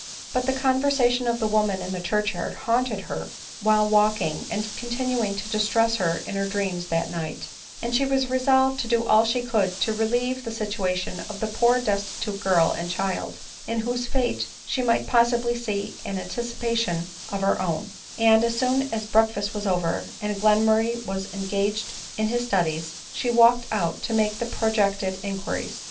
But the conversation of the woman in the church yard haunted her while waking, and continued to distress her in her dreams that night ; and she was resolved to do all she could to relieve the situation of the poor des titute girl and child, in whose fate she might possibly see an anticipation of her own ; and as soon as breakfast was over, and Glenmurray was engaged in his studies, she walked out to make the projected inquiries.